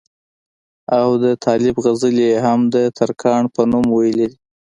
او د طالب غزلې ئې هم دترکاڼ پۀ نوم وئيلي دي